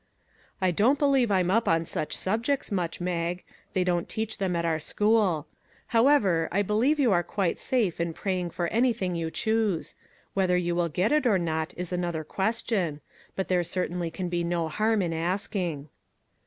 " I don't believe I'm up on such subjects much, Mag; they don't teach them at our school. However, I believe you are quite safe in praying for anything you choose. Whether you will get it or not is another question; but there certainly can be no harm in asking."